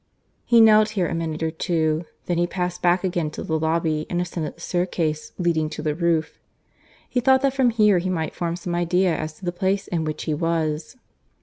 He knelt here a minute or two, then he passed back again to the lobby and ascended the staircase leading to the roof. He thought that from here he might form some idea as to the place in which he was.